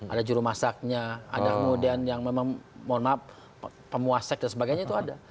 ada jurumasaknya ada kemudian yang memang monab pemuasek dan sebagainya itu ada